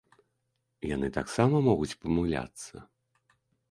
Яны таксама могуць памыляцца.